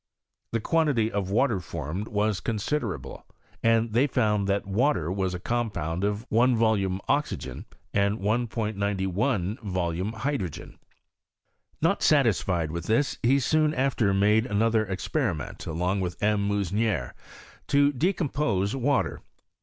The quantity of water formed was considerable, and they found that water was a compound of 1 volume o.vygen 1 91 volume hydrogen. Not satisfied with this, he soon after made another experiment along with M. Meusnier to decompose water.